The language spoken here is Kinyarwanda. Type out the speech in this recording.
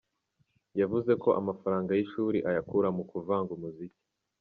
Yavuze ko amafaranga y’ishuri ayakura mu kuvanga umuziki.